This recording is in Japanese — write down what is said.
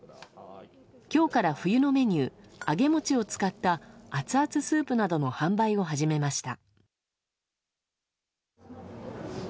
今日から冬のメニュー揚げ餅を使ったアツアツスープなどの販売を始めました。